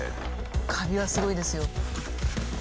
カビはすごいですよ。